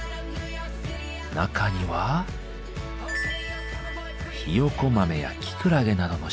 中にはひよこ豆やキクラゲなどの食材が。